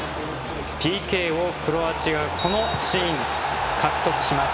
ＰＫをクロアチア、このシーンで獲得します。